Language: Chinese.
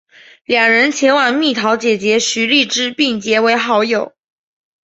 两人前往蜜桃姐姐徐荔枝并结为好友。